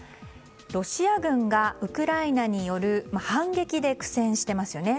ロシア軍がウクライナによる反撃で苦戦していますよね。